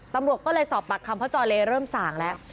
ตำรวจก็เลยสอบปากคำเพราะจอเลเริ่มส่างแล้ว